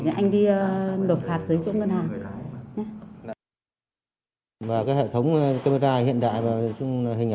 ghi nhận luôn trường hợp này nhé